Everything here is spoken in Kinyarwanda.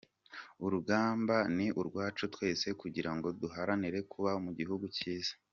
Urugamba ni urwacu twese kugira ngo duharanire kuba mu gihugu cyiza.